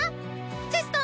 チェストー！